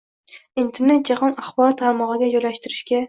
Internet jahon axborot tarmog‘iga joylashtirishga